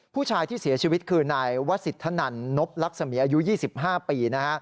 ผู้ชายที่เสียชีวิตคือนายวสิทธนันนบลักษมีอายุ๒๕ปี